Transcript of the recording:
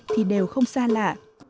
thì đều không xa lạ